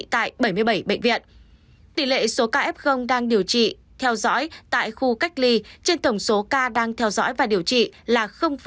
tỷ lệ số ca f đang điều trị theo dõi tại khu cách ly trên tổng số ca đang theo dõi và điều trị là hai mươi tám